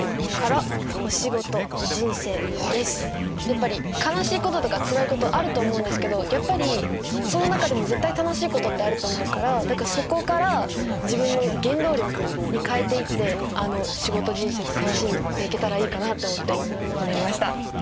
やっぱり悲しいこととか辛いことあると思うんですけどやっぱりその中でも絶対楽しいことってあると思うからだからそこから自分の原動力に変えていって仕事人生と楽しんでいけたらいいかなと思ってこうなりました。